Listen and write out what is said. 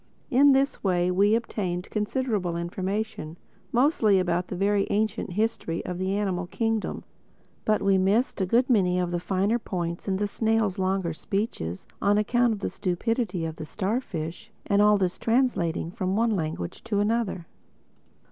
In this way we obtained considerable information, mostly about the very ancient history of the Animal Kingdom; but we missed a good many of the finer points in the snail's longer speeches on account of the stupidity of the starfish and all this translating from one language to another.